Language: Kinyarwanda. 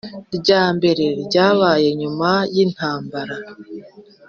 Rya mbere ryabaye nyuma y intambara